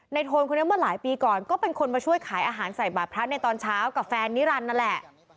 โทนคนนี้เมื่อหลายปีก่อนก็เป็นคนมาช่วยขายอาหารใส่บาทพระในตอนเช้ากับแฟนนิรันดินั่นแหละ